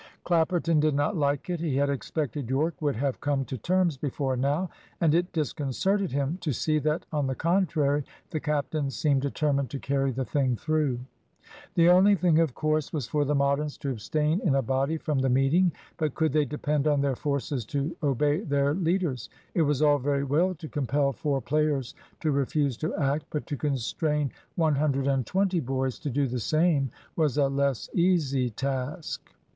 Clapperton did not like it. He had expected Yorke would have come to terms before now, and it disconcerted him to see that, on the contrary, the captain seemed determined to carry the thing through. The only thing, of course, was for the Moderns to abstain in a body from the meeting. But could they depend on their forces to obey their leaders? It was all very well to compel four players to refuse to act; but to constrain 120 boys to do the same was a less easy task.